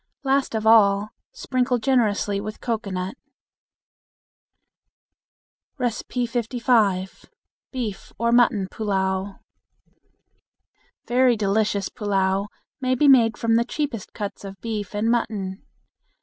Last of all, sprinkle generously with cocoanut. 55. Beef or Mutton Pullao. Very delicious pullao may be made from the cheapest cuts of beef and mutton.